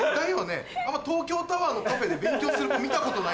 あんま東京タワーのカフェで勉強する子見たことない。